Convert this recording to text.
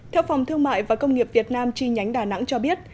theo phòng thương mại và công nghiệp việt nam chi nhánh đà nẵng cho biết